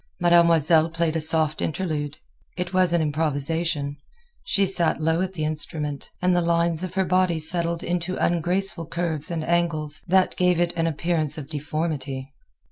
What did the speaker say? Mademoiselle played a soft interlude. It was an improvisation. She sat low at the instrument, and the lines of her body settled into ungraceful curves and angles that gave it an appearance of deformity.